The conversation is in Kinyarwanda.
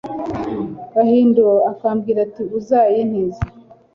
Gahindiro akamubwira ati «Uzayintize».